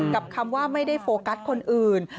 คำว่าไม่ได้โฟกัสคนอื่น